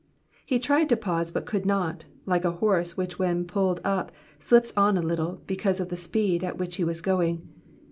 '*'* He tried to pause but could not, like a horse which when pulled up slips on a little because of the speed at which he was going.